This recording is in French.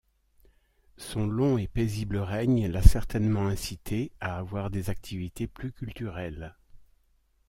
Son long et paisible règne l'a certainement incité à avoir des activités plus culturelles.